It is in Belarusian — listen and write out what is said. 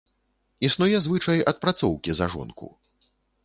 Існуе звычай адпрацоўкі за жонку.